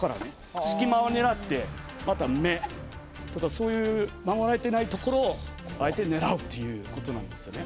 また目とかそういう守られてないところをあえて狙うということなんですよね。